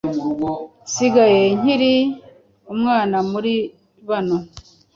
Nsigaye nkiri umwana muri bano